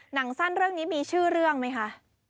หนังสั้นเรื่องนี้มีชื่อเรื่องไหมคะ